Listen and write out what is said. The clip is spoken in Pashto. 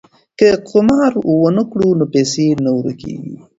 که قمار ونه کړو نو پیسې نه ورکيږي.